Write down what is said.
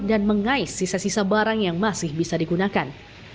dan mengais sisa sisa barang yang masih bisa digunakan